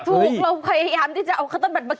ถูกเราพยายามที่จะเอาคำตอบบันได